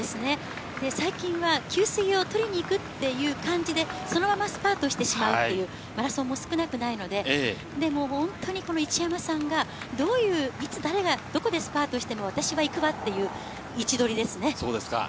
最近は給水を取りにいくという感じでそのままスパートしてしまうというマラソンも少なくないので、一山さんが、いつ誰がスパートしても私は行くわっていう位置取りですね。